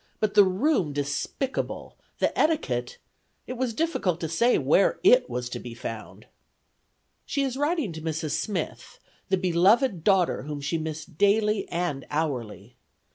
but the room despicable; the etiquette, it was difficult to say where it was to be found." She is writing to Mrs. Smith, the beloved daughter whom she missed daily and hourly.